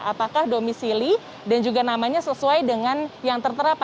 apakah domisili dan juga namanya sesuai dengan yang tertera pak